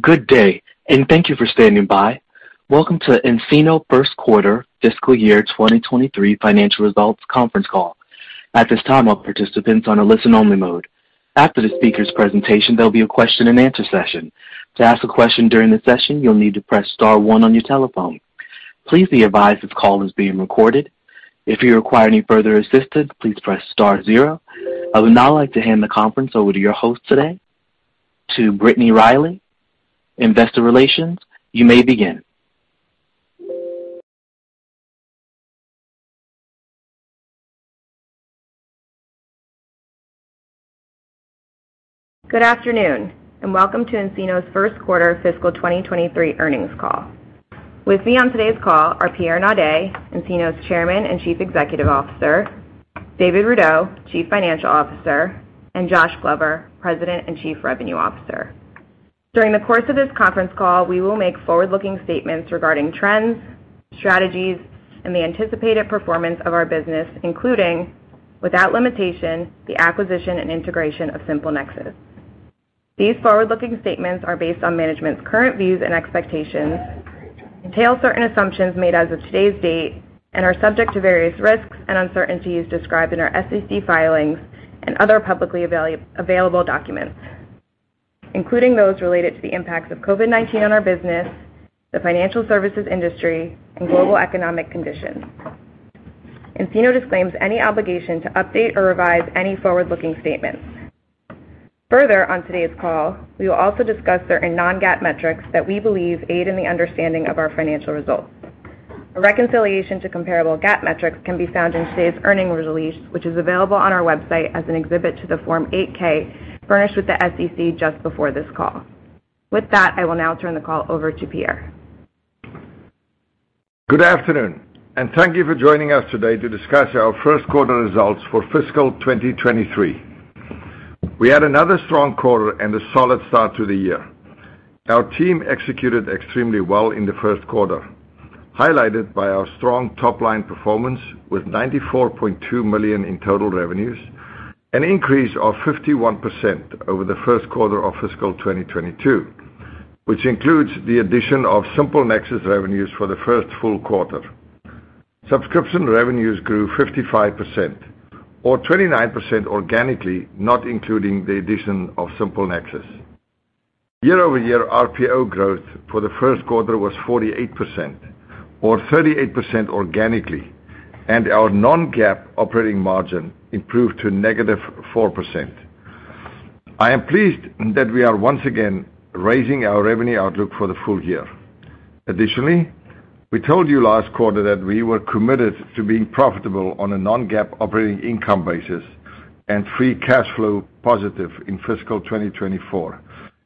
Good day, and thank you for standing by. Welcome to nCino First Quarter Fiscal Year 2023 Financial Results Conference Call. At this time, all participants on a listen only mode. After the speaker's presentation, there'll be a question and answer session. To ask a question during the session, you'll need to press star one on your telephone. Please be advised this call is being recorded. If you require any further assistance, please press star zero. I would now like to hand the conference over to your host today, to Brittany Riley, Investor Relations. You may begin. Good afternoon, and welcome to nCino's first quarter fiscal 2023 earnings call. With me on today's call are Pierre Naudé, nCino's Chairman and Chief Executive Officer, David Rudow, Chief Financial Officer, and Josh Glover, President and Chief Revenue Officer. During the course of this conference call, we will make forward-looking statements regarding trends, strategies, and the anticipated performance of our business, including, without limitation, the acquisition and integration of SimpleNexus. These forward-looking statements are based on management's current views and expectations, entail certain assumptions made as of today's date and are subject to various risks and uncertainties described in our SEC filings and other publicly available documents, including those related to the impacts of COVID-19 on our business, the financial services industry, and global economic conditions. nCino disclaims any obligation to update or revise any forward-looking statements. Further, on today's call, we will also discuss certain non-GAAP metrics that we believe aid in the understanding of our financial results. A reconciliation to comparable GAAP metrics can be found in today's earnings release, which is available on our website as an exhibit to the Form 8-K furnished with the SEC just before this call. With that, I will now turn the call over to Pierre. Good afternoon, and thank you for joining us today to discuss our first quarter results for fiscal 2023. We had another strong quarter and a solid start to the year. Our team executed extremely well in the first quarter, highlighted by our strong top-line performance with $94.2 million in total revenues, an increase of 51% over the first quarter of fiscal 2022, which includes the addition of SimpleNexus revenues for the first full quarter. Subscription revenues grew 55% or 29% organically, not including the addition of SimpleNexus. Year-over-year RPO growth for the first quarter was 48% or 38% organically, and our non-GAAP operating margin improved to -4%. I am pleased that we are once again raising our revenue outlook for the full year. Additionally, we told you last quarter that we were committed to being profitable on a non-GAAP operating income basis and free cash flow positive in fiscal 2024,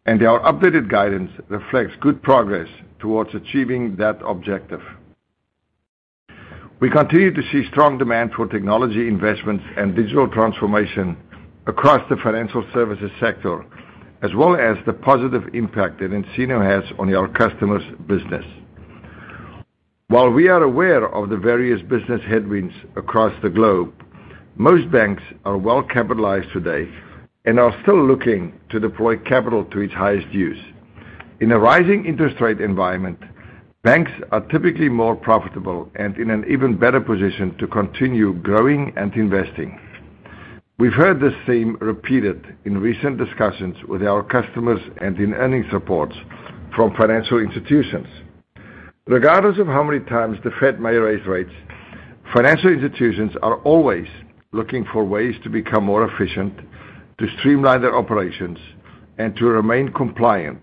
and our updated guidance reflects good progress towards achieving that objective. We continue to see strong demand for technology investments and digital transformation across the financial services sector, as well as the positive impact that nCino has on your customers' business. While we are aware of the various business headwinds across the globe, most banks are well-capitalized today and are still looking to deploy capital to its highest use. In a rising interest rate environment, banks are typically more profitable and in an even better position to continue growing and investing. We've heard the same repeated in recent discussions with our customers and in earning supports from financial institutions. Regardless of how many times the Fed may raise rates, financial institutions are always looking for ways to become more efficient, to streamline their operations and to remain compliant,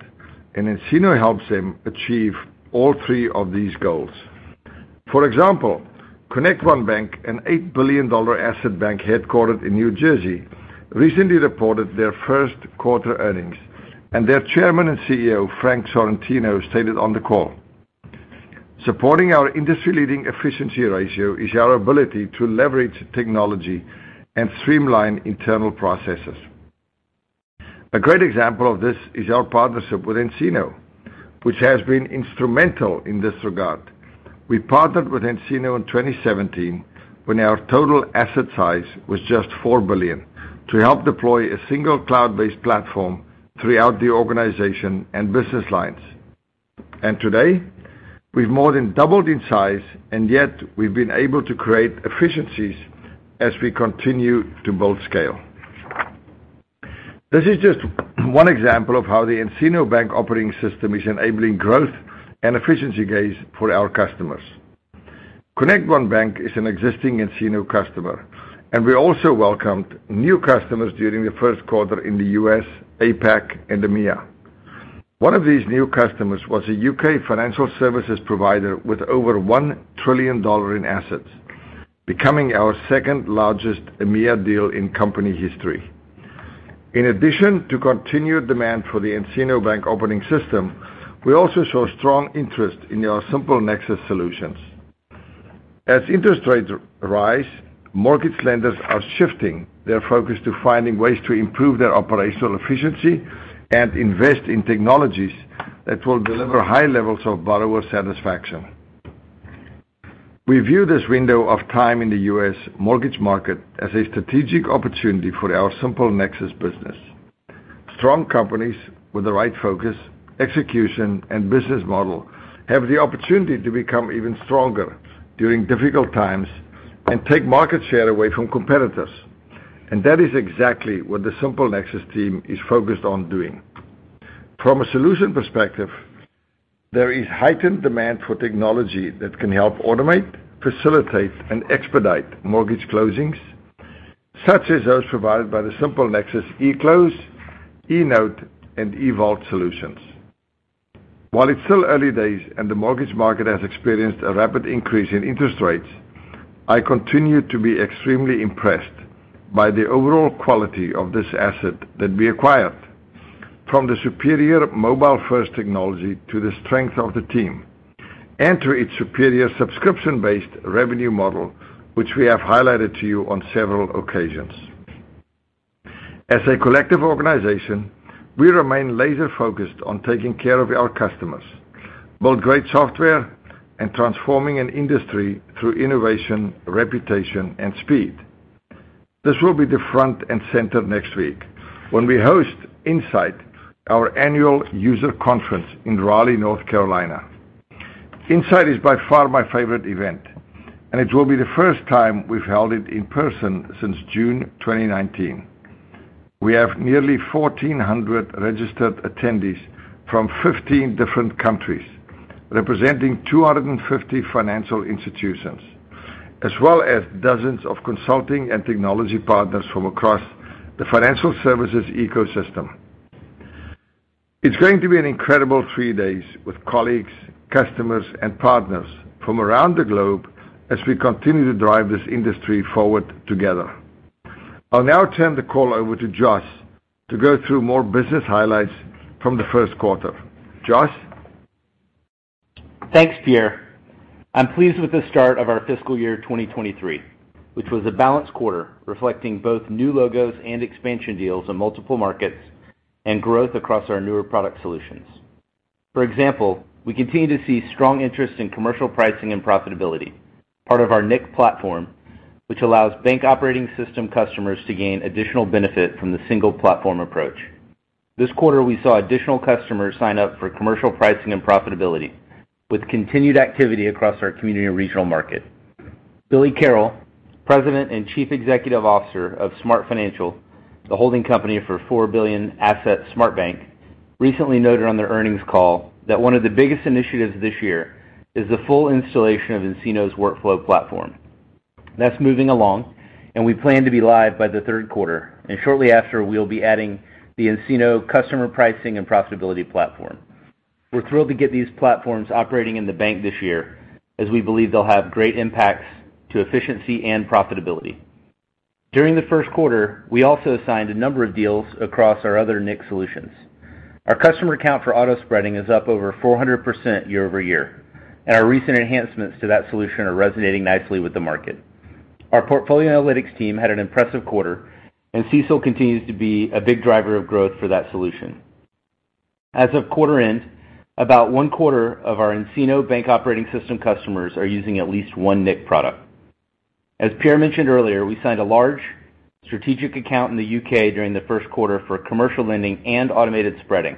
and nCino helps them achieve all three of these goals. For example, ConnectOne Bank, an $8 billion asset bank headquartered in New Jersey, recently reported their first quarter earnings, and their Chairman and CEO, Frank Sorrentino, stated on the call, "Supporting our industry-leading efficiency ratio is our ability to leverage technology and streamline internal processes. A great example of this is our partnership with nCino, which has been instrumental in this regard. We partnered with nCino in 2017 when our total asset size was just $4 billion to help deploy a single cloud-based platform throughout the organization and business lines. Today, we've more than doubled in size, and yet we've been able to create efficiencies as we continue to build scale." This is just one example of how the nCino Bank Operating System is enabling growth and efficiency gains for our customers. ConnectOne Bank is an existing nCino customer, and we also welcomed new customers during the first quarter in the U.S., APAC and EMEA. One of these new customers was a U.K. financial services provider with over $1 trillion in assets, becoming our second-largest EMEA deal in company history. In addition to continued demand for the nCino Bank Operating System, we also saw strong interest in our SimpleNexus solutions. As interest rates rise, mortgage lenders are shifting their focus to finding ways to improve their operational efficiency and invest in technologies that will deliver high levels of borrower satisfaction. We view this window of time in the U.S. mortgage market as a strategic opportunity for our SimpleNexus business. Strong companies with the right focus, execution, and business model have the opportunity to become even stronger during difficult times and take market share away from competitors. That is exactly what the SimpleNexus team is focused on doing. From a solution perspective, there is heightened demand for technology that can help automate, facilitate, and expedite mortgage closings, such as those provided by the SimpleNexus eClose, eNote, and eVault solutions. While it's still early days and the mortgage market has experienced a rapid increase in interest rates, I continue to be extremely impressed by the overall quality of this asset that we acquired from the superior mobile-first technology to the strength of the team and to its superior subscription-based revenue model, which we have highlighted to you on several occasions. As a collective organization, we remain laser-focused on taking care of our customers, build great software, and transforming an industry through innovation, reputation, and speed. This will be the front and center next week when we host nSight, our annual user conference in Raleigh, North Carolina. nSight is by far my favorite event, and it will be the first time we've held it in person since June 2019. We have nearly 1,400 registered attendees from 15 different countries, representing 250 financial institutions, as well as dozens of consulting and technology partners from across the financial services ecosystem. It's going to be an incredible three days with colleagues, customers, and partners from around the globe as we continue to drive this industry forward together. I'll now turn the call over to Josh to go through more business highlights from the first quarter. Josh? Thanks, Pierre. I'm pleased with the start of our fiscal year 2023, which was a balanced quarter, reflecting both new logos and expansion deals in multiple markets and growth across our newer product solutions. For example, we continue to see strong interest in commercial pricing and profitability, part of our nIQ platform, which allows bank operating system customers to gain additional benefit from the single platform approach. This quarter, we saw additional customers sign up for commercial pricing and profitability with continued activity across our community and regional market. Billy Carroll, President and Chief Executive Officer of SmartFinancial, Inc., the holding company for $4 billion asset SmartBank, recently noted on their earnings call that one of the biggest initiatives this year is the full installation of nCino's workflow platform. That's moving along, and we plan to be live by the third quarter. Shortly after, we'll be adding the nCino customer pricing and profitability platform. We're thrilled to get these platforms operating in the bank this year as we believe they'll have great impacts to efficiency and profitability. During the first quarter, we also signed a number of deals across our other nIQ solutions. Our customer count for auto spreading is up over 400% year-over-year, and our recent enhancements to that solution are resonating nicely with the market. Our portfolio analytics team had an impressive quarter, and CECL continues to be a big driver of growth for that solution. As of quarter end, about one-quarter of our nCino Bank Operating System customers are using at least one nIQ product. As Pierre mentioned earlier, we signed a large strategic account in the UK during the first quarter for commercial lending and automated spreading.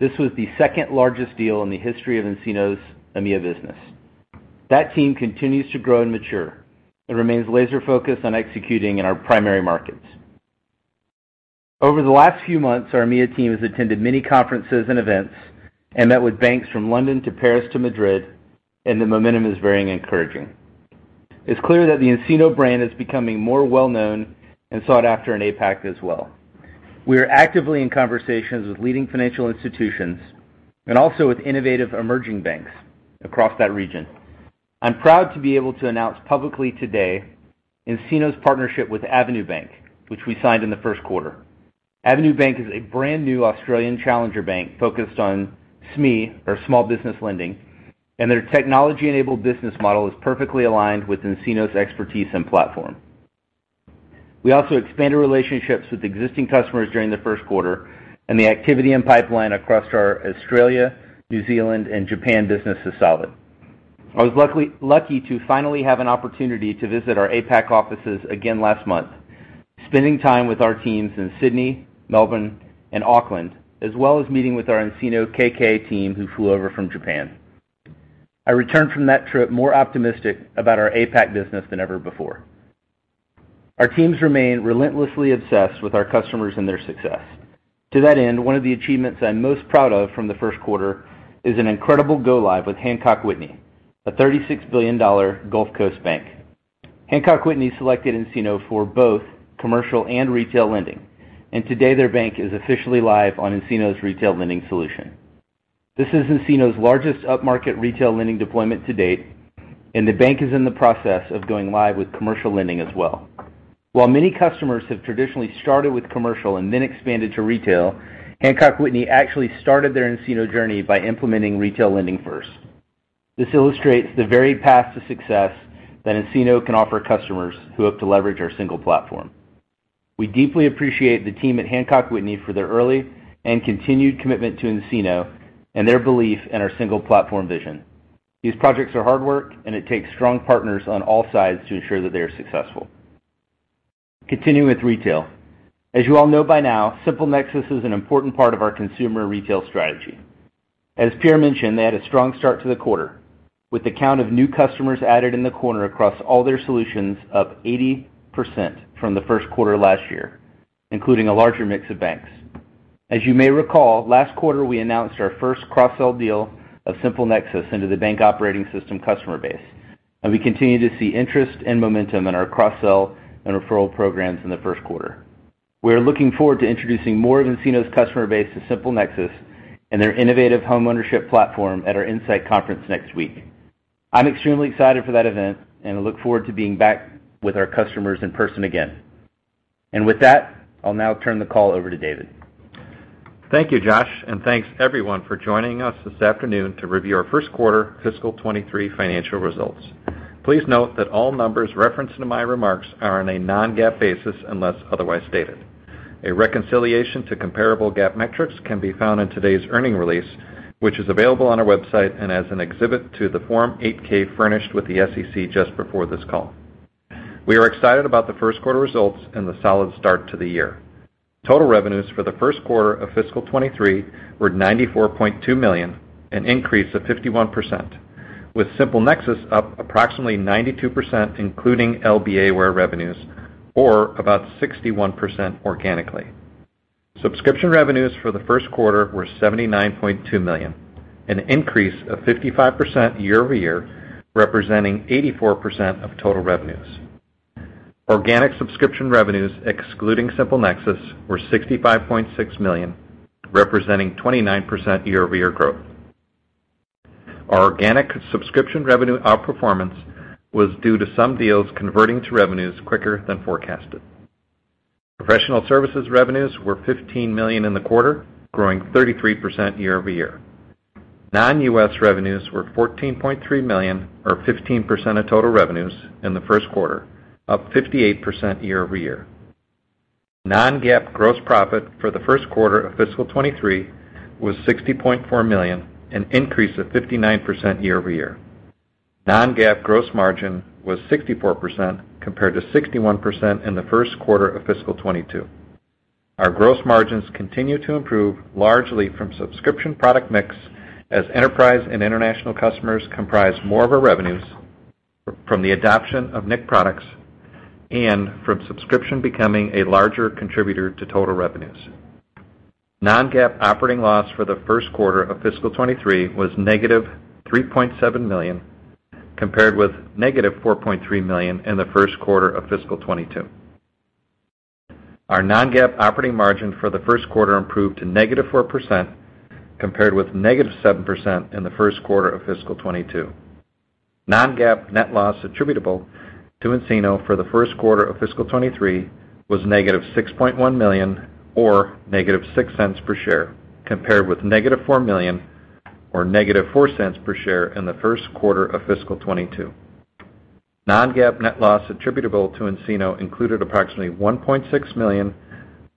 This was the second-largest deal in the history of nCino's EMEA business. That team continues to grow and mature and remains laser-focused on executing in our primary markets. Over the last few months, our EMEA team has attended many conferences and events and met with banks from London to Paris to Madrid, and the momentum is very encouraging. It's clear that the nCino brand is becoming more well-known and sought after in APAC as well. We are actively in conversations with leading financial institutions and also with innovative emerging banks across that region. I'm proud to be able to announce publicly today nCino's partnership with Avenue Bank, which we signed in the first quarter. Avenue Bank is a brand new Australian challenger bank focused on SME or small business lending, and their technology-enabled business model is perfectly aligned with nCino's expertise and platform. We also expanded relationships with existing customers during the first quarter, and the activity and pipeline across our Australia, New Zealand, and Japan business is solid. I was lucky to finally have an opportunity to visit our APAC offices again last month, spending time with our teams in Sydney, Melbourne, and Auckland, as well as meeting with our nCino K.K. team who flew over from Japan. I returned from that trip more optimistic about our APAC business than ever before. Our teams remain relentlessly obsessed with our customers and their success. To that end, one of the achievements I'm most proud of from the first quarter is an incredible go live with Hancock Whitney, a $36 billion Gulf Coast bank. Hancock Whitney selected nCino for both commercial and retail lending, and today their bank is officially live on nCino's retail lending solution. This is nCino's largest upmarket retail lending deployment to date, and the bank is in the process of going live with commercial lending as well. While many customers have traditionally started with commercial and then expanded to retail, Hancock Whitney actually started their nCino journey by implementing retail lending first. This illustrates the varied path to success that nCino can offer customers who hope to leverage our single platform. We deeply appreciate the team at Hancock Whitney for their early and continued commitment to nCino and their belief in our single platform vision. These projects are hard work, and it takes strong partners on all sides to ensure that they are successful. Continuing with retail. As you all know by now, SimpleNexus is an important part of our consumer retail strategy. As Pierre mentioned, they had a strong start to the quarter, with the count of new customers added in the quarter across all their solutions up 80% from the first quarter last year, including a larger mix of banks. As you may recall, last quarter, we announced our first cross-sell deal of SimpleNexus into the bank operating system customer base, and we continue to see interest and momentum in our cross-sell and referral programs in the first quarter. We are looking forward to introducing more of nCino's customer base to SimpleNexus and their innovative homeownership platform at our nSight Conference next week. I'm extremely excited for that event, and I look forward to being back with our customers in person again. With that, I'll now turn the call over to David. Thank you, Josh, and thanks everyone for joining us this afternoon to review our first quarter of fiscal 2023 financial results. Please note that all numbers referenced in my remarks are on a non-GAAP basis unless otherwise stated. A reconciliation to comparable GAAP metrics can be found in today's earnings release, which is available on our website and as an exhibit to the Form 8-K furnished with the SEC just before this call. We are excited about the first quarter results and the solid start to the year. Total revenues for the first quarter of fiscal 2023 were $94.2 million, an increase of 51%, with SimpleNexus up approximately 92%, including LBA Ware revenues or about 61% organically. Subscription revenues for the first quarter were $79.2 million, an increase of 55% year-over-year, representing 84% of total revenues. Organic subscription revenues, excluding SimpleNexus, were $65.6 million, representing 29% year-over-year growth. Our organic subscription revenue outperformance was due to some deals converting to revenues quicker than forecasted. Professional services revenues were $15 million in the quarter, growing 33% year-over-year. Non-U.S. revenues were $14.3 million or 15% of total revenues in the first quarter, up 58% year-over-year. Non-GAAP gross profit for the first quarter of fiscal 2023 was $60.4 million, an increase of 59% year-over-year. Non-GAAP gross margin was 64% compared to 61% in the first quarter of fiscal 2022. Our gross margins continue to improve largely from subscription product mix as enterprise and international customers comprise more of our revenues from the adoption of nIQ products and from subscription becoming a larger contributor to total revenues. Non-GAAP operating loss for the first quarter of fiscal 2023 was -$3.7 million, compared with -$4.3 million in the first quarter of fiscal 2022. Our non-GAAP operating margin for the first quarter improved to -4% compared with -7% in the first quarter of fiscal 2022. Non-GAAP net loss attributable to nCino for the first quarter of fiscal 2023 was -$6.1 million or -$0.06 per share, compared with -$4 million or -$0.04 per share in the first quarter of fiscal 2022. Non-GAAP net loss attributable to nCino included approximately $1.6 million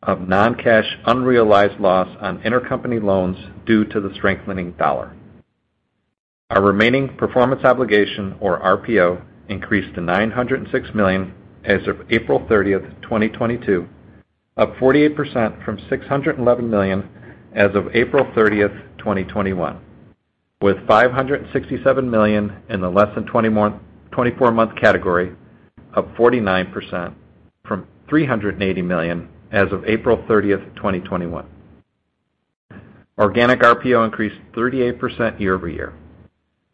of non-cash unrealized loss on intercompany loans due to the strengthening dollar. Our remaining performance obligation or RPO increased to $906 million as of April 30th, 2022, up 48% from $611 million as of April 30th, 2021, with $567 million in the less than 24-month category, up 49% from $380 million as of April 30th, 2021. Organic RPO increased 38% year-over-year.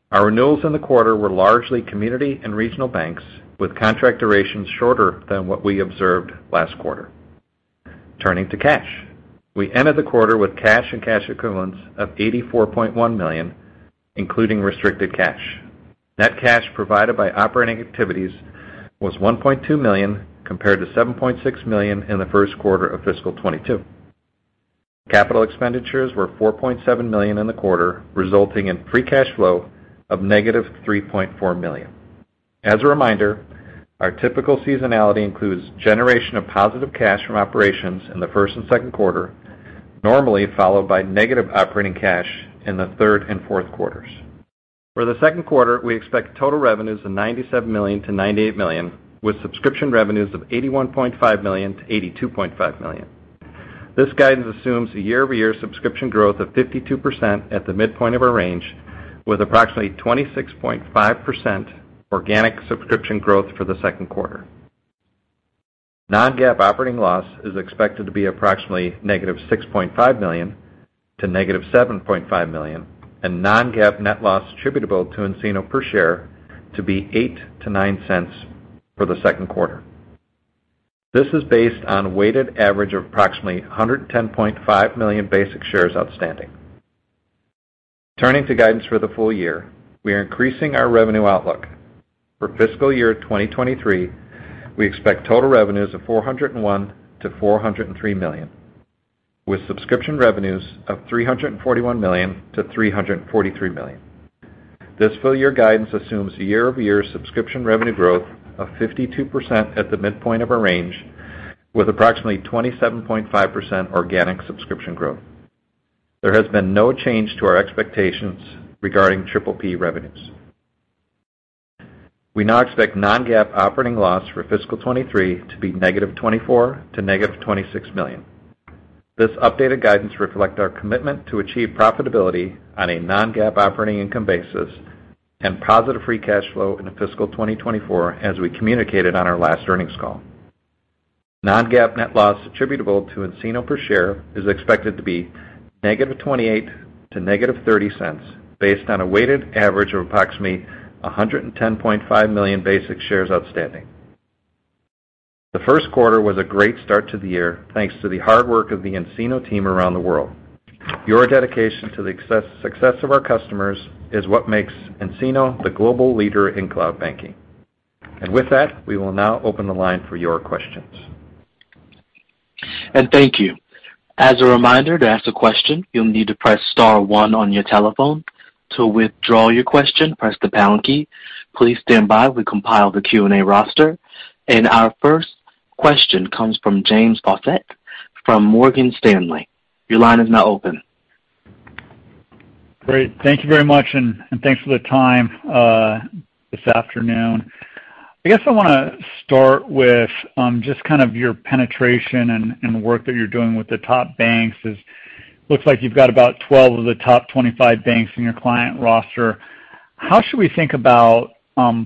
Our renewals in the quarter were largely community and regional banks with contract durations shorter than what we observed last quarter. Turning to cash. We ended the quarter with cash and cash equivalents of $84.1 million, including restricted cash. Net cash provided by operating activities was $1.2 million, compared to $7.6 million in the first quarter of fiscal 2022. Capital expenditures were $4.7 million in the quarter, resulting in free cash flow of -$3.4 million. As a reminder, our typical seasonality includes generation of positive cash from operations in the first and second quarter, normally followed by negative operating cash in the third and fourth quarters. For the second quarter, we expect total revenues of $97 million-$98 million, with subscription revenues of $81.5 million-$82.5 million. This guidance assumes a year-over-year subscription growth of 52% at the midpoint of our range, with approximately 26.5% organic subscription growth for the second quarter. Non-GAAP operating loss is expected to be approximately -$6.5 million to -$7.5 million, and non-GAAP net loss attributable to nCino per share to be $0.08-$0.09 for the second quarter. This is based on a weighted average of approximately 110.5 million basic shares outstanding. Turning to guidance for the full year, we are increasing our revenue outlook. For fiscal year 2023, we expect total revenues of $401 million-$403 million, with subscription revenues of $341 million-$343 million. This full year guidance assumes a year-over-year subscription revenue growth of 52% at the midpoint of our range with approximately 27.5% organic subscription growth. There has been no change to our expectations regarding PPP revenues. We now expect non-GAAP operating loss for fiscal 2023 to be -$24 million to -$26 million. This updated guidance reflects our commitment to achieve profitability on a non-GAAP operating income basis and positive free cash flow into fiscal 2024 as we communicated on our last earnings call. Non-GAAP net loss attributable to nCino per share is expected to be -$0.28 to -$0.30, based on a weighted average of approximately 110.5 million basic shares outstanding. The first quarter was a great start to the year, thanks to the hard work of the nCino team around the world. Your dedication to the success of our customers is what makes nCino the global leader in cloud banking. With that, we will now open the line for your questions. Thank you. As a reminder, to ask a question, you'll need to press star one on your telephone. To withdraw your question, press the pound key. Please stand by. We compile the Q&A roster. Our first question comes from James Faucette from Morgan Stanley. Your line is now open. Great. Thank you very much, and thanks for the time this afternoon. I guess I wanna start with just kind of your penetration and the work that you're doing with the top banks. It looks like you've got about 12 of the top 25 banks in your client roster. How should we think about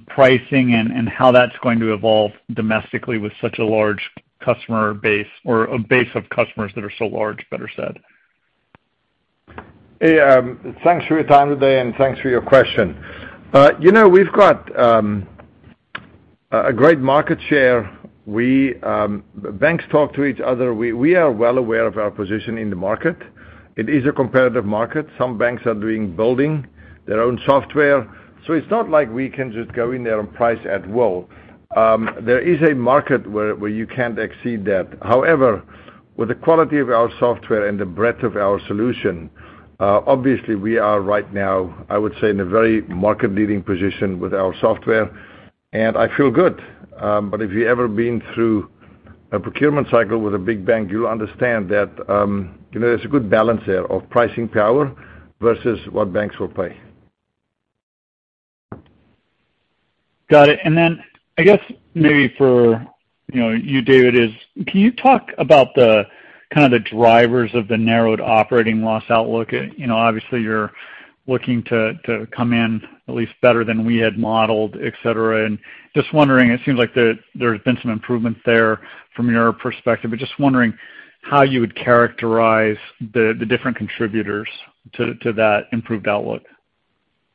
pricing and how that's going to evolve domestically with such a large customer base or a base of customers that are so large, better said? Hey, thanks for your time today, and thanks for your question. You know, we've got a great market share. We banks talk to each other. We are well aware of our position in the market. It is a competitive market. Some banks are building their own software. It's not like we can just go in there and price at will. There is a market where you can't exceed that. However, with the quality of our software and the breadth of our solution, obviously, we are right now, I would say, in a very market-leading position with our software, and I feel good. If you ever been through a procurement cycle with a big bank, you understand that, you know, there's a good balance there of pricing power versus what banks will pay. Got it. Then I guess maybe for, you know, you, David, is can you talk about the kind of the drivers of the narrowed operating loss outlook? You know, obviously you're looking to come in at least better than we had modeled, et cetera. Just wondering, it seems like there's been some improvement there from your perspective, but just wondering how you would characterize the different contributors to that improved outlook.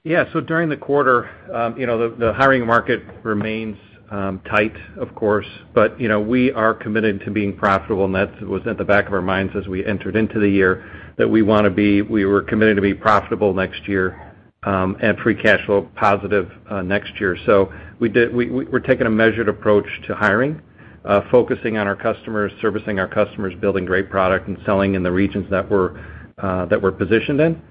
Yeah. During the quarter, you know, the hiring market remains tight of course, but you know, we are committed to being profitable, and that was at the back of our minds as we entered into the year, that we were committed to be profitable next year, and free cash flow positive next year. We are taking a measured approach to hiring, focusing on our customers, servicing our customers, building great product, and selling in the regions that we are positioned in.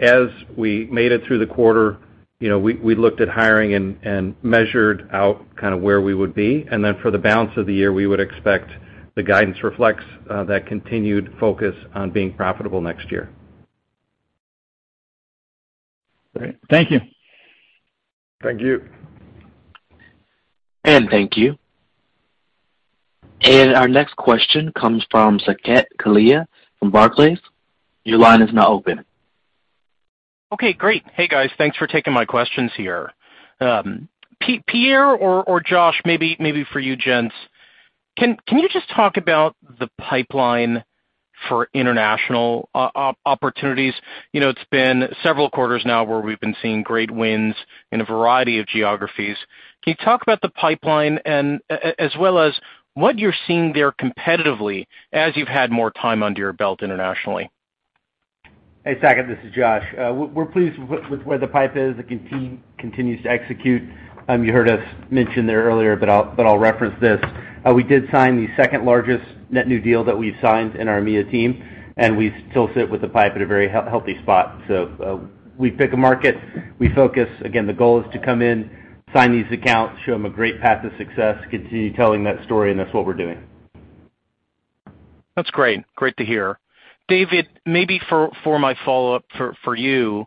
As we made it through the quarter, you know, we looked at hiring and measured out kinda where we would be. For the balance of the year, we would expect the guidance reflects that continued focus on being profitable next year. Great. Thank you. Thank you. Thank you. Our next question comes from Saket Kalia from Barclays. Your line is now open. Okay, great. Hey, guys. Thanks for taking my questions here. Pierre or Josh, maybe for you gents. Can you just talk about the pipeline for international opportunities? You know, it's been several quarters now where we've been seeing great wins in a variety of geographies. Can you talk about the pipeline and as well as what you're seeing there competitively as you've had more time under your belt internationally? Hey, Saket. This is Josh. We're pleased with where the pipe is. It continues to execute. You heard us mention there earlier, but I'll reference this. We did sign the second-largest net new deal that we've signed in our EMEA team, and we still sit with the pipe at a very healthy spot. We pick a market, we focus. Again, the goal is to come in, sign these accounts, show them a great path to success, continue telling that story, and that's what we're doing. That's great. Great to hear. David, maybe for my follow-up for you.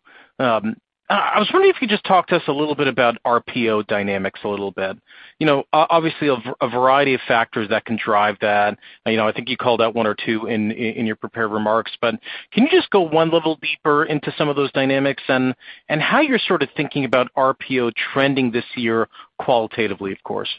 I was wondering if you could just talk to us a little bit about RPO dynamics a little bit. You know, obviously, a variety of factors that can drive that. You know, I think you called out one or two in your prepared remarks, but can you just go one level deeper into some of those dynamics and how you're sort of thinking about RPO trending this year qualitatively, of course?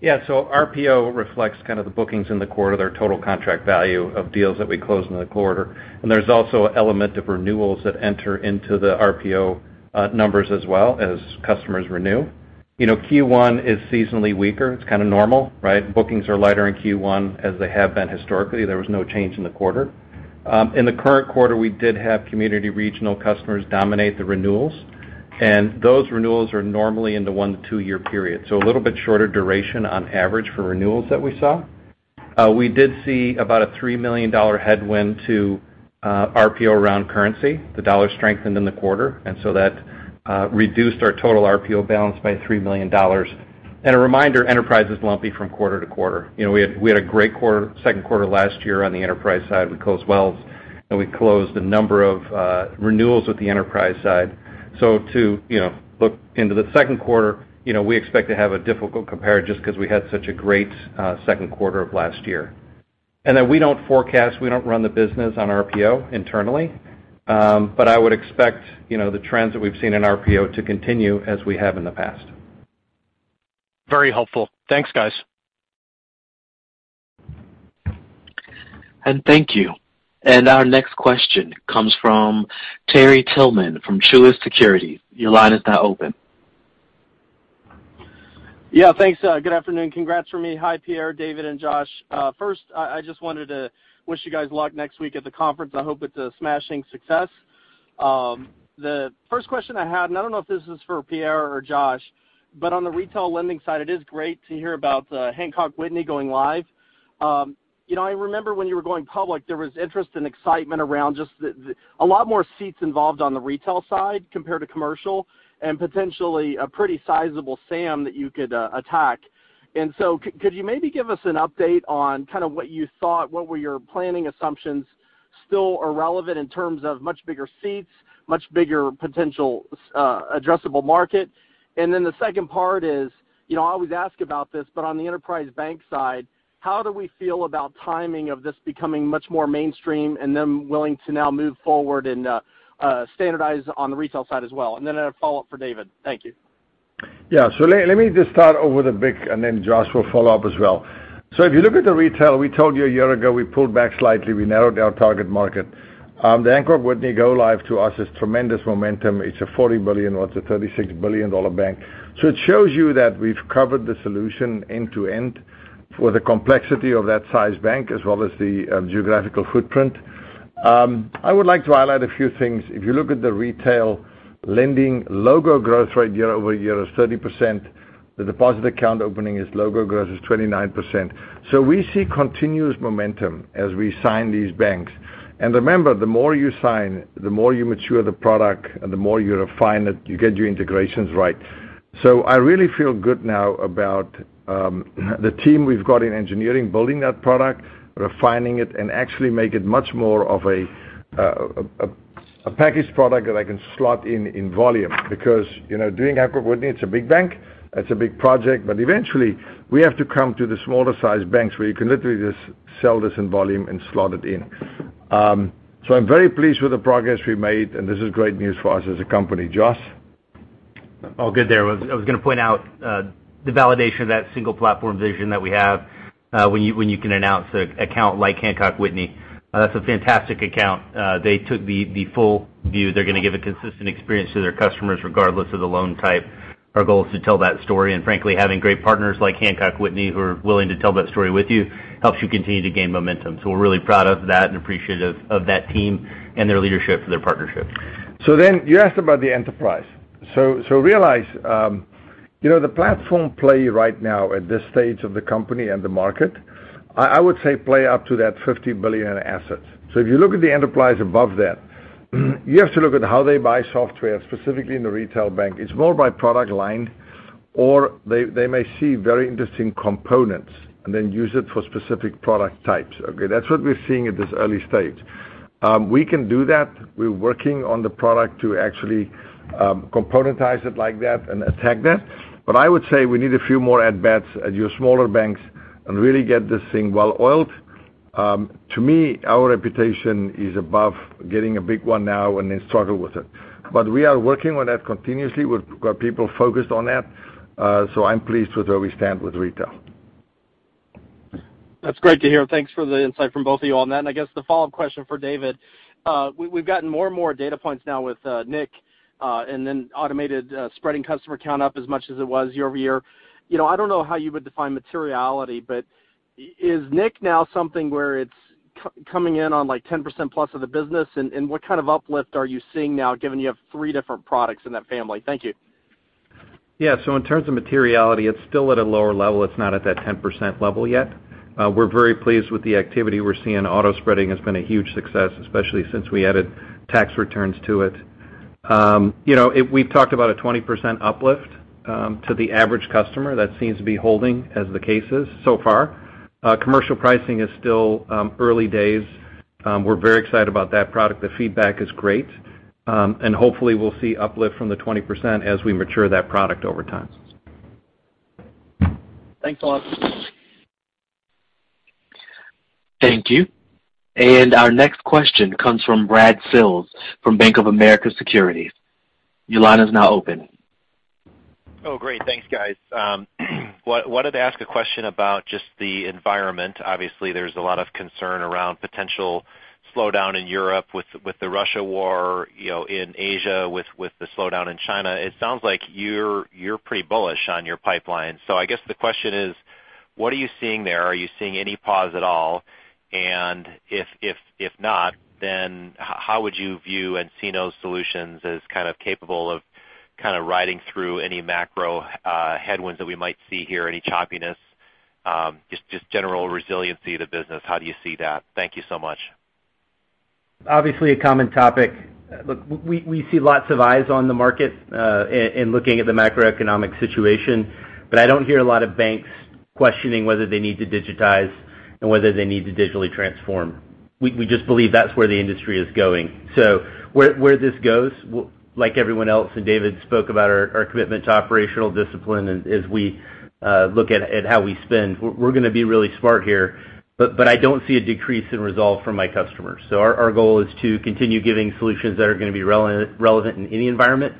Yeah. RPO reflects kind of the bookings in the quarter, their total contract value of deals that we closed in the quarter. There's also an element of renewals that enter into the RPO numbers as well as customers renew. You know, Q1 is seasonally weaker. It's kinda normal, right? Bookings are lighter in Q1 as they have been historically. There was no change in the quarter. In the current quarter, we did have community regional customers dominate the renewals, and those renewals are normally in the one to two-year period, so a little bit shorter duration on average for renewals that we saw. We did see about a $3 million headwind to RPO around currency. The dollar strengthened in the quarter, and so that reduced our total RPO balance by $3 million. A reminder, enterprise is lumpy from quarter to quarter. You know, we had a great quarter, second quarter last year on the enterprise side. We closed Wells, and we closed a number of renewals with the enterprise side. To look into the second quarter, you know, we expect to have a difficult compare just 'cause we had such a great second quarter of last year. We don't forecast, we don't run the business on RPO internally. But I would expect, you know, the trends that we've seen in RPO to continue as we have in the past. Very helpful. Thanks, guys. Thank you. Our next question comes from Terry Tillman from Truist Securities. Your line is now open. Yeah, thanks. Good afternoon. Congrats from me. Hi, Pierre Naudé, David Rudow, and Josh Glover. First, I just wanted to wish you guys luck next week at the conference. I hope it's a smashing success. The first question I had, and I don't know if this is for Pierre Naudé or Josh Glover, but on the retail lending side it is great to hear about the Hancock Whitney going live. You know, I remember when you were going public, there was interest and excitement around just a lot more seats involved on the retail side compared to commercial and potentially a pretty sizable SAM that you could attack. Could you maybe give us an update on kind of what you thought were your planning assumptions that still are relevant in terms of much bigger seats, much bigger potential, addressable market? The second part is, you know, I always ask about this, but on the enterprise bank side, how do we feel about timing of this becoming much more mainstream and them willing to now move forward and standardize on the retail side as well? A follow-up for David. Thank you. Let me just start with the big and then Josh will follow up as well. If you look at the retail, we told you a year ago, we pulled back slightly, we narrowed our target market. The Hancock Whitney go-live to us is tremendous momentum. It's a $40 billion, well it's a $36 billion bank. It shows you that we've covered the solution end to end for the complexity of that size bank as well as the geographical footprint. I would like to highlight a few things. If you look at the retail lending logo growth rate year-over-year is 30%. The deposit account opening logo growth is 29%. We see continuous momentum as we sign these banks. Remember, the more you sign, the more you mature the product and the more you refine it, you get your integrations right. I really feel good now about the team we've got in engineering building that product, refining it and actually make it much more of a packaged product that I can slot in in volume because, you know, doing Hancock Whitney, it's a big bank, it's a big project, but eventually we have to come to the smaller sized banks where you can literally just sell this in volume and slot it in. I'm very pleased with the progress we've made, and this is great news for us as a company. Josh? All good there. I was gonna point out the validation of that single platform vision that we have when you can announce an account like Hancock Whitney. That's a fantastic account. They took the full view. They're gonna give a consistent experience to their customers regardless of the loan type. Our goal is to tell that story, and frankly, having great partners like Hancock Whitney who are willing to tell that story with you helps you continue to gain momentum. We're really proud of that and appreciative of that team and their leadership for their partnership. You asked about the enterprise. Realize, you know, the platform play right now at this stage of the company and the market, I would say play up to that 50 billion in assets. If you look at the enterprise above that, you have to look at how they buy software specifically in the retail bank. It's more by product line, or they may see very interesting components and then use it for specific product types. Okay. That's what we're seeing at this early stage. We can do that. We're working on the product to actually componentize it like that and attack that. But I would say we need a few more at-bats at your smaller banks and really get this thing well oiled. To me, our reputation is about getting a big one now and then struggle with it. We are working on that continuously. We've got people focused on that. I'm pleased with where we stand with retail. That's great to hear. Thanks for the insight from both of you on that. I guess the follow-up question for David, we've gotten more and more data points now with nIQ and then automated spreading customer count up as much as it was year-over-year. You know, I don't know how you would define materiality, but is nIQ now something where it's coming in on like 10%+ of the business? And what kind of uplift are you seeing now given you have three different products in that family? Thank you. Yeah. In terms of materiality, it's still at a lower level. It's not at that 10% level yet. We're very pleased with the activity we're seeing. Auto spreading has been a huge success, especially since we added tax returns to it. You know, we've talked about a 20% uplift to the average customer. That seems to be holding as the case is so far. Commercial pricing is still early days. We're very excited about that product. The feedback is great. Hopefully we'll see uplift from the 20% as we mature that product over time. Thanks a lot. Thank you. Our next question comes from Brad Sills from Bank of America Securities. Your line is now open. Oh, great. Thanks, guys. Wanted to ask a question about just the environment. Obviously, there's a lot of concern around potential slowdown in Europe with the Russia war, you know, in Asia with the slowdown in China. It sounds like you're pretty bullish on your pipeline. I guess the question is, what are you seeing there? Are you seeing any pause at all? If not, then how would you view nCino's solutions as kind of capable of riding through any macro headwinds that we might see here, any choppiness? Just general resiliency of the business, how do you see that? Thank you so much. Obviously a common topic. Look, we see lots of eyes on the market in looking at the macroeconomic situation. I don't hear a lot of banks questioning whether they need to digitize and whether they need to digitally transform. We just believe that's where the industry is going. Where this goes, like everyone else, and David spoke about our commitment to operational discipline as we look at how we spend, we're gonna be really smart here. I don't see a decrease in resolve from my customers. Our goal is to continue giving solutions that are gonna be relevant in any environment.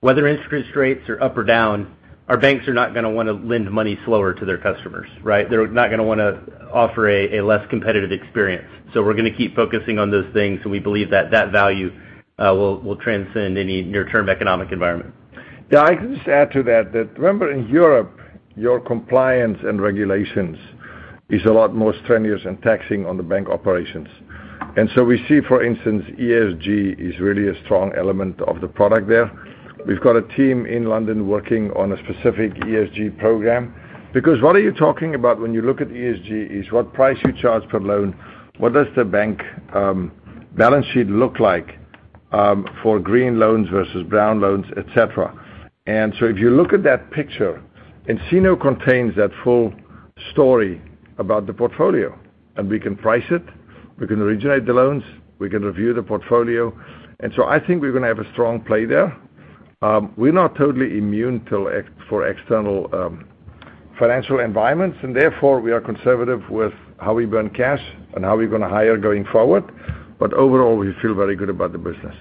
Whether interest rates are up or down, our banks are not gonna wanna lend money slower to their customers, right? They're not gonna wanna offer a less competitive experience. We're gonna keep focusing on those things, and we believe that that value will transcend any near-term economic environment. Yeah, I can just add to that remember in Europe, your compliance and regulations is a lot more strenuous and taxing on the bank operations. We see, for instance, ESG is really a strong element of the product there. We've got a team in London working on a specific ESG program, because what are you talking about when you look at ESG is what price you charge per loan, what does the bank balance sheet look like for green loans versus brown loans, et cetera. If you look at that picture, nCino contains that full story about the portfolio. We can price it, we can originate the loans, we can review the portfolio. I think we're gonna have a strong play there. We're not totally immune to external financial environments, and therefore, we are conservative with how we burn cash and how we're gonna hire going forward. Overall, we feel very good about the business.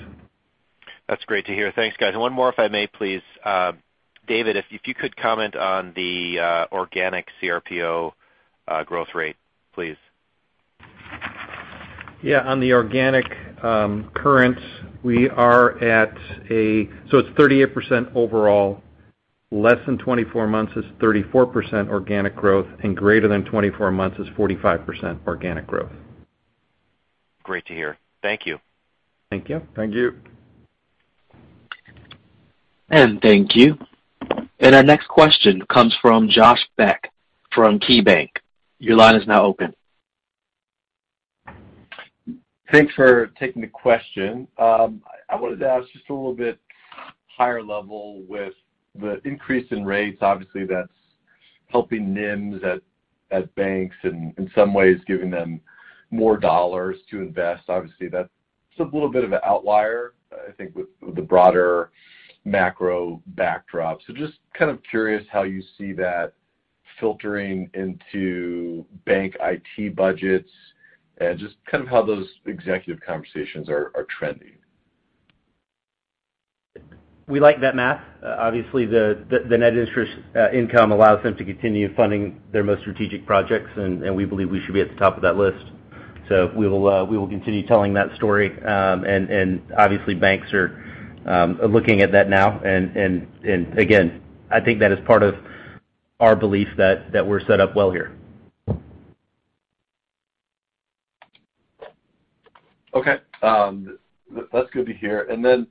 That's great to hear. Thanks, guys. One more if I may, please. David, if you could comment on the organic CRPO growth rate, please. Yeah. On the organic current, we are at 38% overall. Less than 24 months is 34% organic growth, and greater than 24 months is 45% organic growth. Great to hear. Thank you. Thank you. Thank you. Thank you. Our next question comes from Josh Beck from KeyBanc Capital Markets. Your line is now open. Thanks for taking the question. I wanted to ask just a little bit higher level with the increase in rates. Obviously, that's helping NIMs at banks and in some ways giving them more dollars to invest. Obviously, that's just a little bit of an outlier, I think with the broader macro backdrop. Just kind of curious how you see that filtering into bank IT budgets and just kind of how those executive conversations are trending. We like that math. Obviously, the net interest income allows them to continue funding their most strategic projects, and we believe we should be at the top of that list. We will continue telling that story. Obviously banks are looking at that now. Again, I think that is part of our belief that we're set up well here. Okay. That's good to hear. Then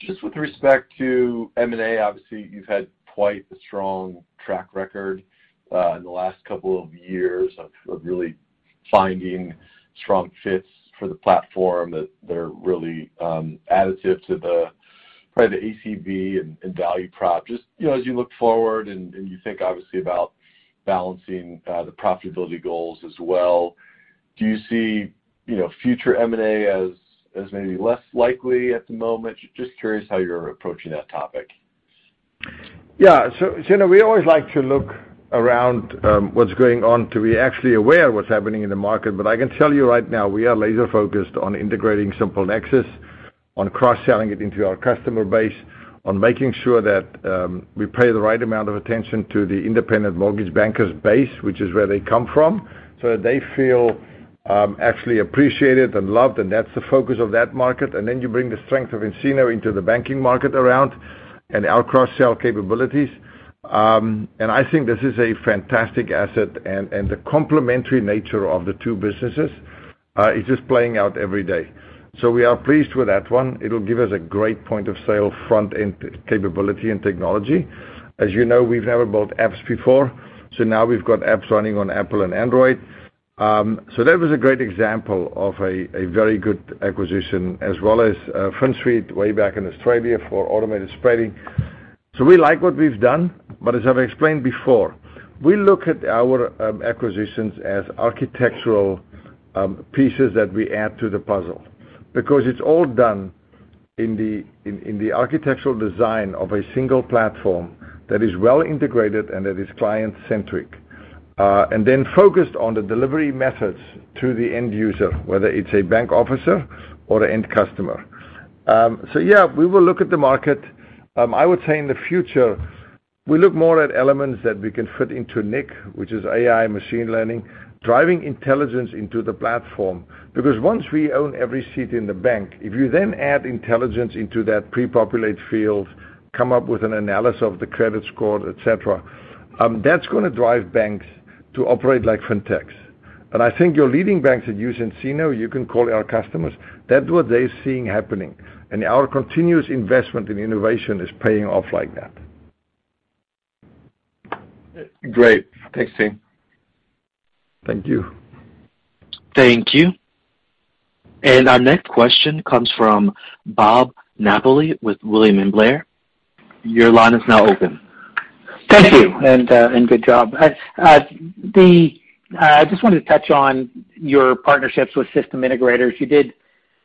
just with respect to M&A, obviously you've had quite the strong track record in the last couple of years of really finding strong fits for the platform that they're really additive to the, probably the ACV and value prop. Just, you know, as you look forward and you think obviously about balancing the profitability goals as well, do you see, you know, future M&A as maybe less likely at the moment? Just curious how you're approaching that topic. Yeah, you know, we always like to look around what's going on to be actually aware of what's happening in the market. But I can tell you right now, we are laser focused on integrating SimpleNexus, on cross-selling it into our customer base, on making sure that we pay the right amount of attention to the independent mortgage bankers base, which is where they come from, so that they feel actually appreciated and loved, and that's the focus of that market. Then you bring the strength of nCino into the banking market around and our cross-sell capabilities. I think this is a fantastic asset, and the complementary nature of the two businesses is just playing out every day. We are pleased with that one. It'll give us a great point-of-sale front-end capability and technology. As you know, we've never built apps before, so now we've got apps running on Apple and Android. That was a great example of a very good acquisition, as well as FinSuite way back in Australia for automated spreading. We like what we've done, but as I've explained before, we look at our acquisitions as architectural pieces that we add to the puzzle. Because it's all done in the architectural design of a single platform that is well integrated and that is client-centric. Then focused on the delivery methods to the end user, whether it's a bank officer or an end customer. Yeah, we will look at the market. I would say in the future, we look more at elements that we can fit into nIQ, which is AI machine learning, driving intelligence into the platform. Because once we own every seat in the bank, if you then add intelligence into that pre-populate field, come up with an analysis of the credit score, et cetera, that's gonna drive banks to operate like fintechs. I think your leading banks that use nCino, you can call our customers, that's what they're seeing happening. Our continuous investment in innovation is paying off like that. Great. Thanks, team. Thank you. Thank you. Our next question comes from Bob Napoli with William Blair. Your line is now open. Thank you. Good job. I just wanted to touch on your partnerships with system integrators. You did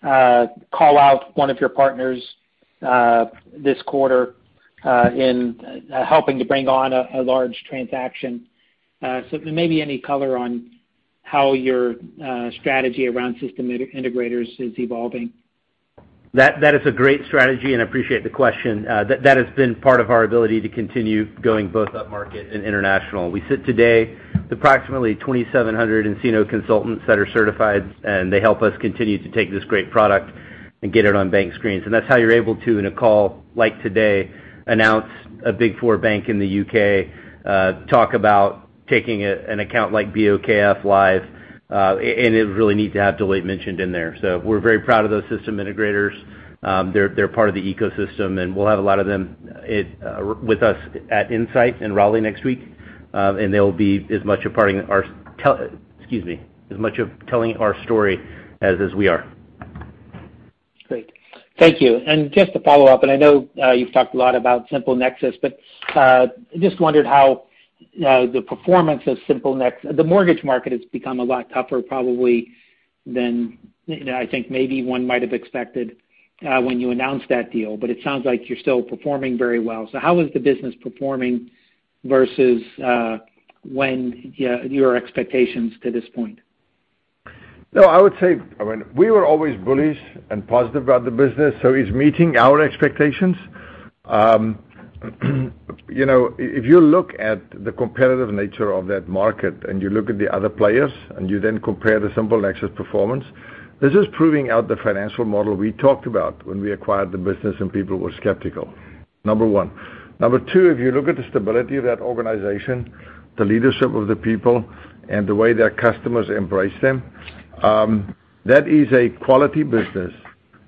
call out one of your partners this quarter in helping to bring on a large transaction. Maybe any color on how your strategy around system integrators is evolving? That is a great strategy, and I appreciate the question. That has been part of our ability to continue going both upmarket and international. We sit today approximately 2,700 nCino consultants that are certified, and they help us continue to take this great product and get it on bank screens. That's how you're able to, in a call like today, announce a big four bank in the UK, talk about taking an account like BOKF live, and it was really neat to have Deloitte mentioned in there. We're very proud of those system integrators. They're part of the ecosystem, and we'll have a lot of them with us at nSight in Raleigh next week, and they'll be as much a part in our telling our story as we are. Great. Thank you. Just to follow up, and I know you've talked a lot about SimpleNexus, but just wondered how the performance of SimpleNexus. The mortgage market has become a lot tougher probably than, you know, I think maybe one might have expected when you announced that deal, but it sounds like you're still performing very well. How is the business performing versus when your expectations to this point? No, I would say, I mean, we were always bullish and positive about the business, so it's meeting our expectations. You know, if you look at the competitive nature of that market and you look at the other players and you then compare the SimpleNexus performance, this is proving out the financial model we talked about when we acquired the business and people were skeptical, number one. Number two, if you look at the stability of that organization, the leadership of the people, and the way their customers embrace them, that is a quality business,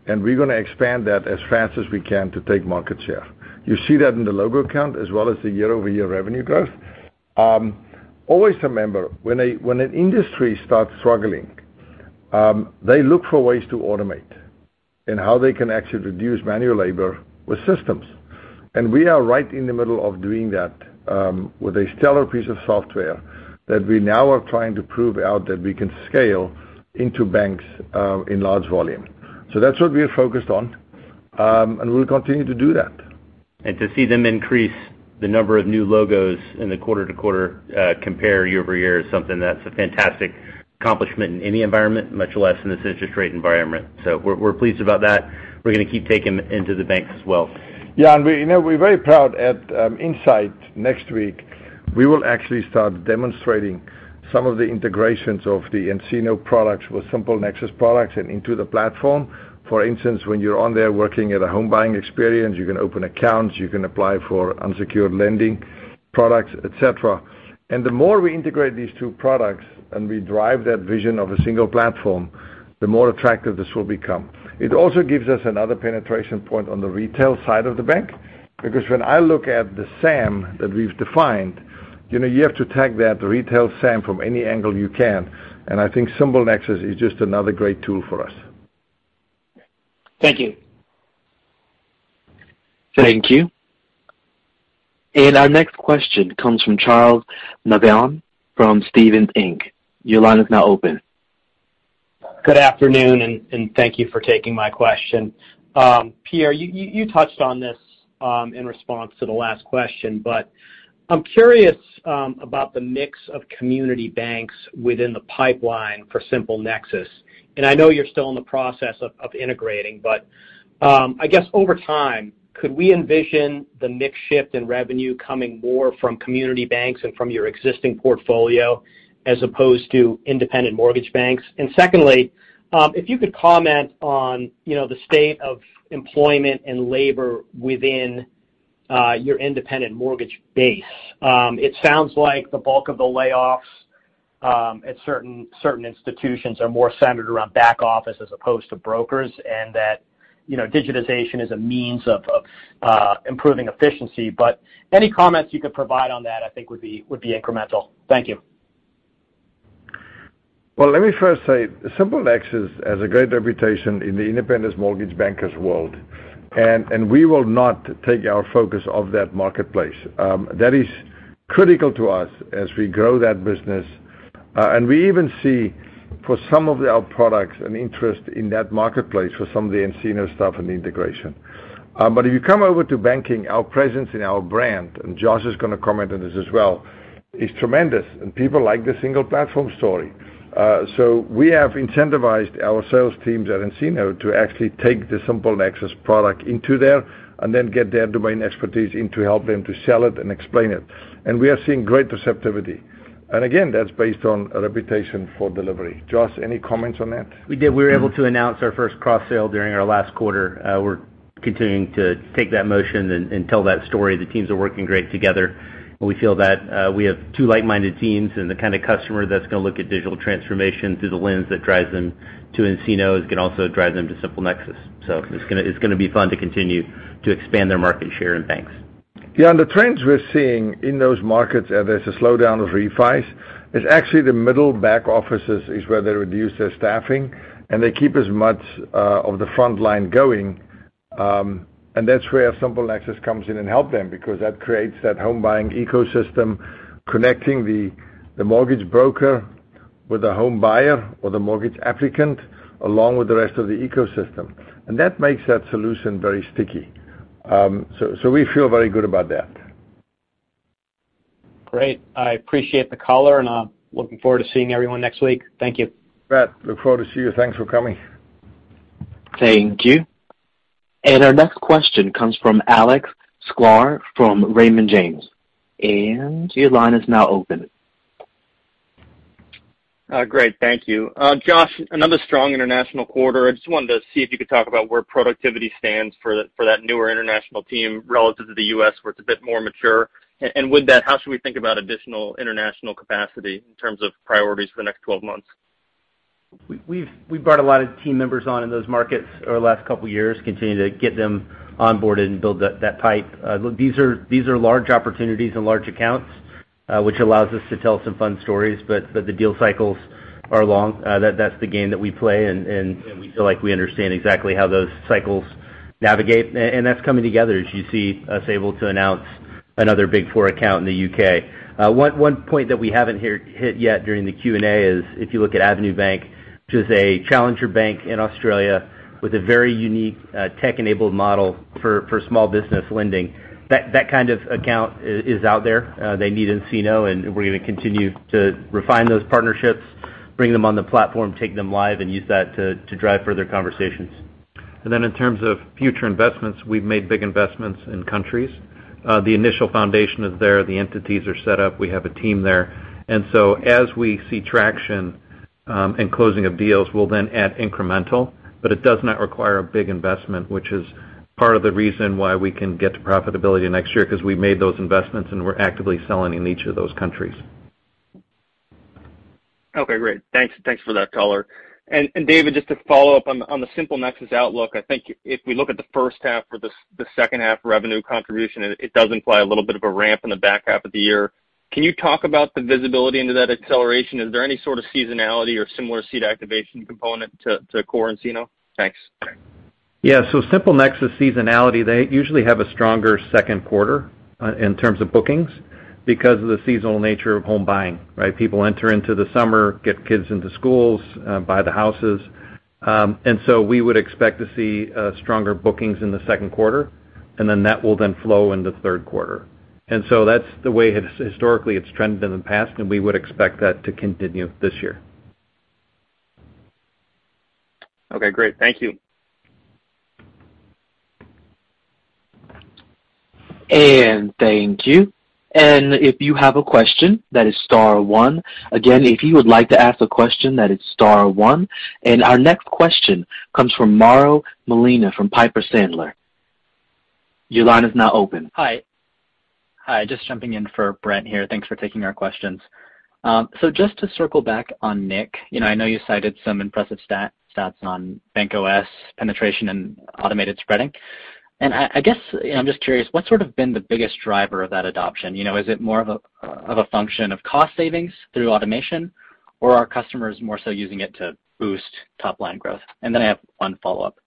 and we're gonna expand that as fast as we can to take market share. You see that in the logo count as well as the year-over-year revenue growth. Always remember, when an industry starts struggling, they look for ways to automate and how they can actually reduce manual labor with systems. We are right in the middle of doing that, with a stellar piece of software that we now are trying to prove out that we can scale into banks, in large volume. That's what we are focused on, and we'll continue to do that. To see them increase the number of new logos in the quarter-over-quarter compare year-over-year is something that's a fantastic accomplishment in any environment, much less in this interest rate environment. We're pleased about that. We're gonna keep taking into the banks as well. Yeah. We, you know, we're very proud at nSight next week. We will actually start demonstrating some of the integrations of the nCino products with SimpleNexus products and into the platform. For instance, when you're on there working at a home buying experience, you can open accounts, you can apply for unsecured lending products, et cetera. The more we integrate these two products and we drive that vision of a single platform, the more attractive this will become. It also gives us another penetration point on the retail side of the bank. Because when I look at the SAM that we've defined, you know you have to attack that retail SAM from any angle you can, and I think SimpleNexus is just another great tool for us. Thank you. Thank you. Our next question comes from Charles Nabhan from Stephens Inc. Your line is now open. Good afternoon, and thank you for taking my question. Pierre, you touched on this in response to the last question, but I'm curious about the mix of community banks within the pipeline for SimpleNexus. I know you're still in the process of integrating, but I guess over time, could we envision the mix shift in revenue coming more from community banks and from your existing portfolio as opposed to independent mortgage banks? Secondly, if you could comment on you know, the state of employment and labor within your independent mortgage base. It sounds like the bulk of the layoffs at certain institutions are more centered around back office as opposed to brokers, and that you know, digitization is a means of improving efficiency. Any comments you could provide on that, I think would be incremental. Thank you. Well, let me first say, SimpleNexus has a great reputation in the independent mortgage bankers world, and we will not take our focus off that marketplace. That is critical to us as we grow that business. We even see, for some of our products, an interest in that marketplace for some of the nCino stuff and the integration. If you come over to banking, our presence and our brand, and Josh is gonna comment on this as well, is tremendous, and people like the single platform story. We have incentivized our sales teams at nCino to actually take the SimpleNexus product into their and then get their domain expertise in to help them to sell it and explain it. We are seeing great receptivity. Again, that's based on a reputation for delivery. Josh, any comments on that? We did. We were able to announce our first cross-sale during our last quarter. We're continuing to take that motion and tell that story. The teams are working great together, and we feel that we have two like-minded teams and the kind of customer that's gonna look at digital transformation through the lens that drives them to nCino can also drive them to SimpleNexus. It's gonna be fun to continue to expand their market share in banks. Yeah, the trends we're seeing in those markets, there's a slowdown of refis. It's actually the middle back offices is where they reduce their staffing, and they keep as much of the front line going. That's where SimpleNexus comes in and help them because that creates that home buying ecosystem, connecting the mortgage broker with the home buyer or the mortgage applicant, along with the rest of the ecosystem. That makes that solution very sticky. We feel very good about that. Great. I appreciate the color, and I'm looking forward to seeing everyone next week. Thank you. Charles, looking forward to seeing you. Thanks for coming. Thank you. Our next question comes from Alex Sklar from Raymond James. Your line is now open. Great, thank you. Josh, another strong international quarter. I just wanted to see if you could talk about where productivity stands for that newer international team relative to the U.S., where it's a bit more mature. With that, how should we think about additional international capacity in terms of priorities for the next twelve months? We've brought a lot of team members on in those markets over the last couple years, continue to get them onboarded and build that pipe. These are large opportunities and large accounts, which allows us to tell some fun stories, but the deal cycles are long. That's the game that we play, and we feel like we understand exactly how those cycles navigate. That's coming together as you see us able to announce another big four account in the UK. One point that we haven't hit yet during the Q&A is if you look at Avenue Bank, which is a challenger bank in Australia with a very unique, tech-enabled model for small business lending, that kind of account is out there. They need nCino, and we're gonna continue to refine those partnerships, bring them on the platform, take them live, and use that to drive further conversations. In terms of future investments, we've made big investments in countries. The initial foundation is there, the entities are set up. We have a team there. As we see traction in closing of deals, we'll then add incremental, but it does not require a big investment, which is part of the reason why we can get to profitability next year 'cause we made those investments, and we're actively selling in each of those countries. Okay, great. Thanks for that color. David, just to follow up on the SimpleNexus outlook, I think if we look at the first half or the second half revenue contribution, it does imply a little bit of a ramp in the back half of the year. Can you talk about the visibility into that acceleration? Is there any sort of seasonality or similar CECL activation component to core nCino? Thanks. Yeah. SimpleNexus seasonality, they usually have a stronger second quarter in terms of bookings because of the seasonal nature of home buying, right? People enter into the summer, get kids into schools, buy the houses. We would expect to see stronger bookings in the second quarter, and then that will then flow into third quarter. That's the way it's historically trended in the past, and we would expect that to continue this year. Okay, great. Thank you. Thank you. If you have a question, that is star one. Again, if you would like to ask a question, that is star one. Our next question comes from Mauro Molina from Piper Sandler. Your line is now open. Hi. Hi, just jumping in for Brent here. Thanks for taking our questions. Just to circle back on nIQ, you know, I know you cited some impressive stats on BankOS penetration and automated spreading. I guess, you know, I'm just curious, what's sort of been the biggest driver of that adoption? You know, is it more of a function of cost savings through automation, or are customers more so using it to boost top-line growth? I have one follow-up.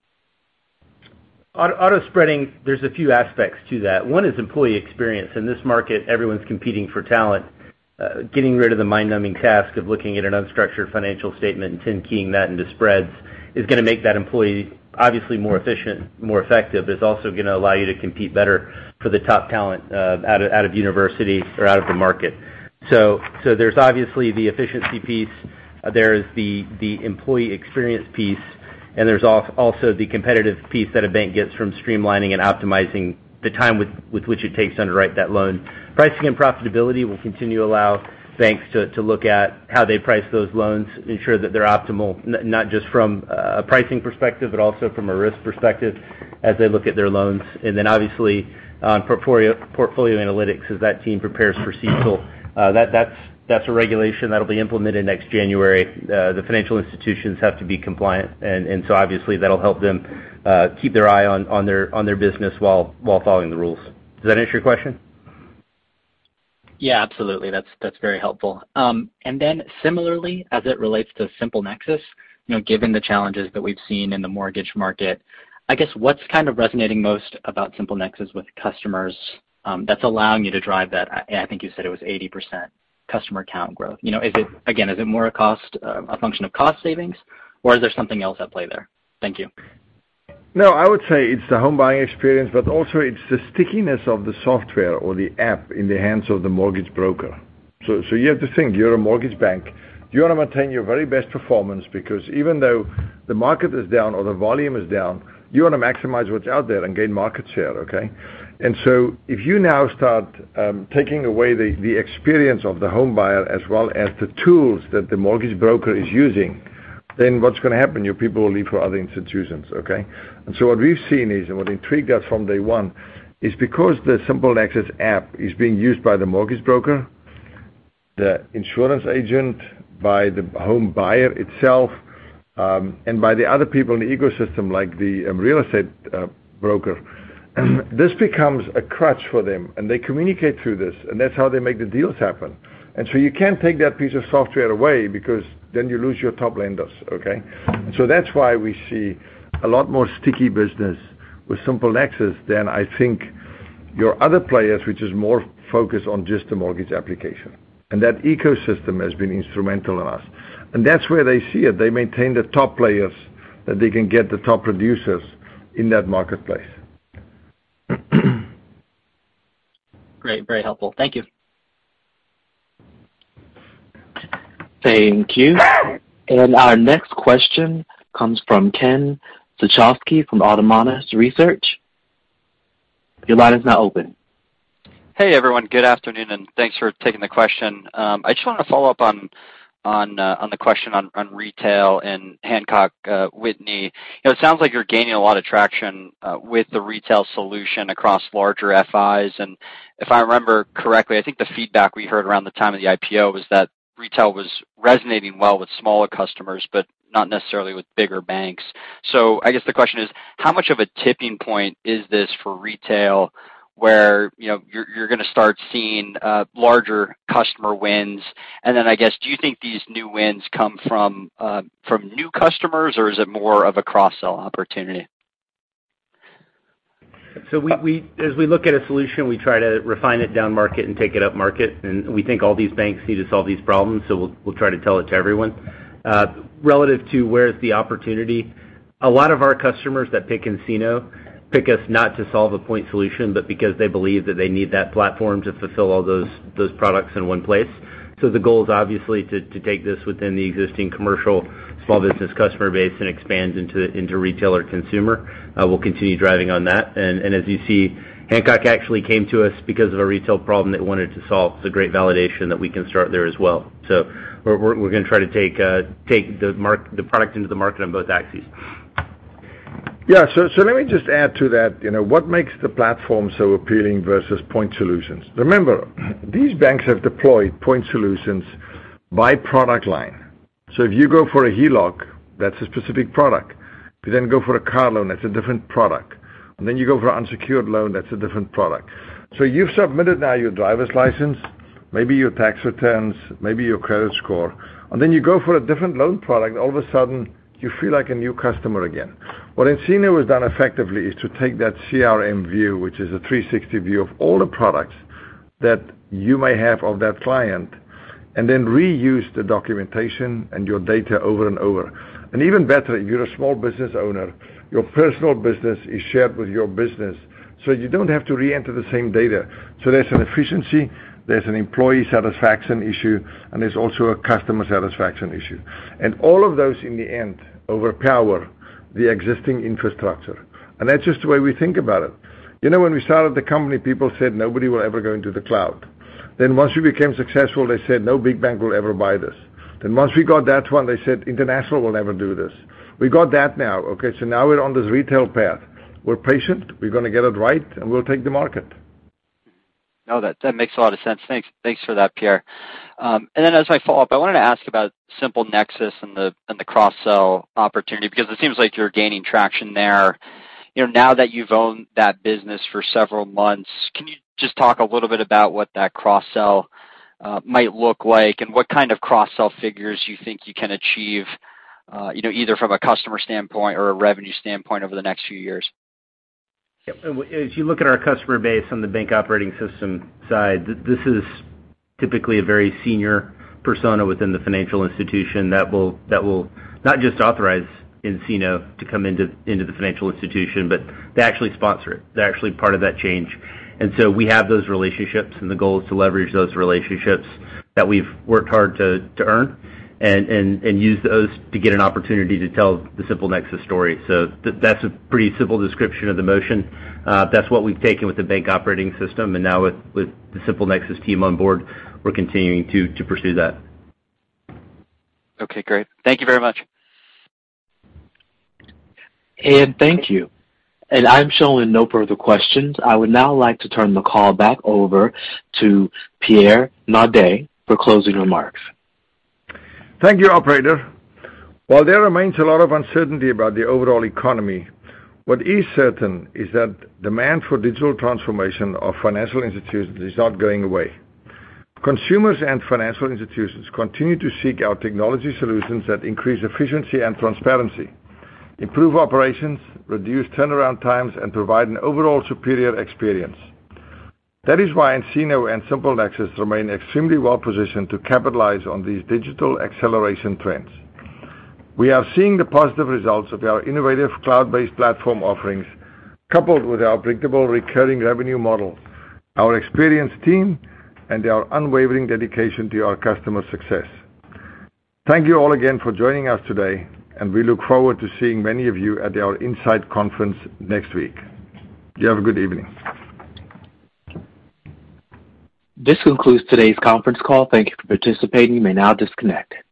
Auto spreading, there's a few aspects to that. One is employee experience. In this market, everyone's competing for talent. Getting rid of the mind-numbing task of looking at an unstructured financial statement and ten-keying that into spreads is gonna make that employee obviously more efficient, more effective. It's also gonna allow you to compete better for the top talent, out of universities or out of the market. So there's obviously the efficiency piece, there's the employee experience piece, and there's also the competitive piece that a bank gets from streamlining and optimizing the time with which it takes to underwrite that loan. Pricing and profitability will continue to allow banks to look at how they price those loans, ensure that they're optimal, not just from a pricing perspective, but also from a risk perspective as they look at their loans. Obviously, portfolio analytics, as that team prepares for CECL, that's a regulation that'll be implemented next January. The financial institutions have to be compliant and so obviously that'll help them keep their eye on their business while following the rules. Does that answer your question? Yeah, absolutely. That's very helpful. Similarly, as it relates to SimpleNexus, you know, given the challenges that we've seen in the mortgage market, I guess what's kind of resonating most about SimpleNexus with customers, that's allowing you to drive that, I think you said it was 80% customer count growth. You know, again, is it more a function of cost savings, or is there something else at play there? Thank you. No, I would say it's the home buying experience, but also it's the stickiness of the software or the app in the hands of the mortgage broker. You have to think you're a mortgage bank. You wanna maintain your very best performance because even though the market is down or the volume is down, you wanna maximize what's out there and gain market share, okay? If you now start taking away the experience of the home buyer as well as the tools that the mortgage broker is using, then what's gonna happen? Your people will leave for other institutions, okay? What we've seen is, and what intrigued us from day one, is because the SimpleNexus app is being used by the mortgage broker, the insurance agent, by the home buyer itself, and by the other people in the ecosystem like the real estate broker, this becomes a crutch for them, and they communicate through this, and that's how they make the deals happen. You can't take that piece of software away because then you lose your top lenders, okay? That's why we see a lot more sticky business with SimpleNexus than I think your other players, which is more focused on just the mortgage application. That ecosystem has been instrumental to us. That's where they see it. They maintain the top players that they can get the top producers in that marketplace. Great. Very helpful. Thank you. Thank you. Our next question comes from Ken Suchoski from Autonomous Research. Your line is now open. Hey, everyone. Good afternoon, and thanks for taking the question. I just wanna follow up on the question on retail and Hancock Whitney. You know, it sounds like you're gaining a lot of traction with the retail solution across larger FIs. If I remember correctly, I think the feedback we heard around the time of the IPO was that retail was resonating well with smaller customers, but not necessarily with bigger banks. I guess the question is, how much of a tipping point is this for retail where, you know, you're gonna start seeing larger customer wins? And then I guess, do you think these new wins come from new customers, or is it more of a cross-sell opportunity? As we look at a solution, we try to refine it down market and take it up market, and we think all these banks need to solve these problems, so we'll try to tell it to everyone. Relative to where is the opportunity, a lot of our customers that pick nCino pick us not to solve a point solution, but because they believe that they need that platform to fulfill all those products in one place. The goal is obviously to take this within the existing commercial small business customer base and expand into retail or consumer. We'll continue driving on that. As you see, Hancock Whitney actually came to us because of a retail problem they wanted to solve. It's a great validation that we can start there as well. We're gonna try to take the product into the market on both axes. Let me just add to that. You know, what makes the platform so appealing versus point solutions? Remember, these banks have deployed point solutions by product line. If you go for a HELOC, that's a specific product. If you then go for a car loan, that's a different product. Then you go for unsecured loan, that's a different product. You've submitted now your driver's license, maybe your tax returns, maybe your credit score, and then you go for a different loan product, all of a sudden, you feel like a new customer again. What nCino has done effectively is to take that CRM view, which is a 360 view of all the products that you may have of that client, and then reuse the documentation and your data over and over. Even better, if you're a small business owner, your personal business is shared with your business, so you don't have to reenter the same data. There's an efficiency, there's an employee satisfaction issue, and there's also a customer satisfaction issue. All of those in the end overpower the existing infrastructure. That's just the way we think about it. You know, when we started the company, people said nobody will ever go into the cloud. Once we became successful, they said, "No big bank will ever buy this." Once we got that one, they said, "International will never do this." We got that now, okay? Now we're on this retail path. We're patient, we're gonna get it right, and we'll take the market. No, that makes a lot of sense. Thanks for that, Pierre. As I follow up, I wanted to ask about SimpleNexus and the cross-sell opportunity because it seems like you're gaining traction there. You know, now that you've owned that business for several months, can you just talk a little bit about what that cross-sell might look like and what kind of cross-sell figures you think you can achieve, you know, either from a customer standpoint or a revenue standpoint over the next few years? Yeah. If you look at our customer base on the bank operating system side, this is typically a very senior persona within the financial institution that will not just authorize nCino to come into the financial institution, but they actually sponsor it. They're actually part of that change. We have those relationships, and the goal is to leverage those relationships that we've worked hard to earn and use those to get an opportunity to tell the SimpleNexus story. That's a pretty simple description of the motion. That's what we've taken with the bank operating system, and now with the SimpleNexus team on board, we're continuing to pursue that. Okay, great. Thank you very much. Thank you. I'm showing no further questions. I would now like to turn the call back over to Pierre Naudé for closing remarks. Thank you, operator. While there remains a lot of uncertainty about the overall economy, what is certain is that demand for digital transformation of financial institutions is not going away. Consumers and financial institutions continue to seek out technology solutions that increase efficiency and transparency, improve operations, reduce turnaround times, and provide an overall superior experience. That is why nCino and SimpleNexus remain extremely well-positioned to capitalize on these digital acceleration trends. We are seeing the positive results of our innovative cloud-based platform offerings coupled with our predictable recurring revenue model, our experienced team, and our unwavering dedication to our customer success. Thank you all again for joining us today, and we look forward to seeing many of you at our nSight Conference next week. You have a good evening. This concludes today's conference call. Thank you for participating. You may now disconnect.